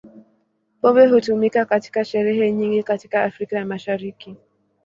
Pombe hutumika katika sherehe nyingi katika Afrika ya Mashariki.